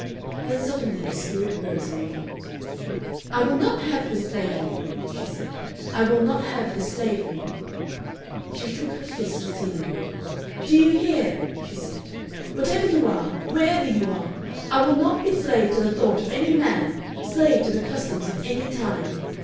Then suddenly her spirit rose in revolt. "I will not have this slavery," she said. "I will not have this slavery." She shook her fist ceilingward. "Do you hear!" she said "whatever you are, wherever you are! I will not be slave to the thought of any man, slave to the customs of any time.